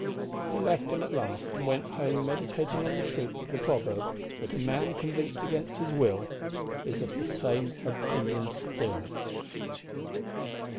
He left him at last, and went home meditating on the truth of the proverb that "a man convinced against his will is of the same opinion still."